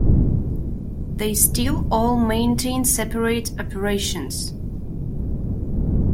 They still all maintain separate operations.